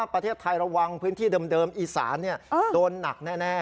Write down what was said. ประเทศไทยระวังพื้นที่เดิมอีสานโดนหนักแน่